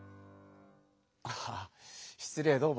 あっ失礼どうも。